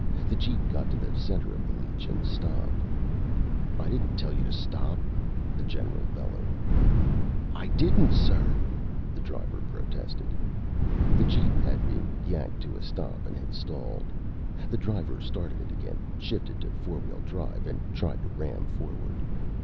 The jeep got to the center of the leech and stopped. "I didn't tell you to stop!" the general bellowed. "I didn't, sir!" the driver protested. The jeep had been yanked to a stop and had stalled. The driver started it again, shifted to four wheel drive, and tried to ram forward.